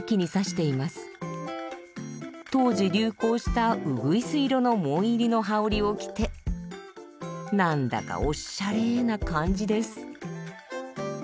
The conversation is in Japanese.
当時流行したうぐいす色の紋入りの羽織を着てなんだかオッシャレーな感じです。